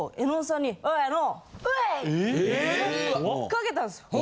かけたんですよ。